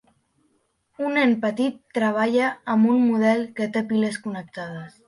Un nen petit treballa amb un model que té piles connectades.